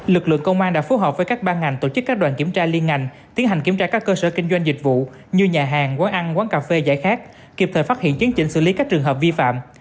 lực lượng công an đã phối hợp với các ban ngành tổ chức các đoàn kiểm tra liên ngành tiến hành kiểm tra các cơ sở kinh doanh dịch vụ như nhà hàng quán ăn quán cà phê giải khát kịp thời phát hiện chấn chỉnh xử lý các trường hợp vi phạm